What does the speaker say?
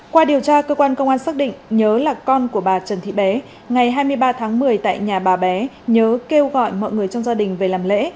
qua điều tra cơ quan công an xác định nhớ là con của bà trần thị bé ngày hai mươi ba tháng một mươi tại nhà bà bé nhớ kêu gọi mọi người trong gia đình về làm lễ